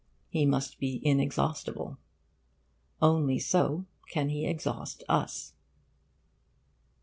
He must be inexhaustible. Only so can he exhaust us.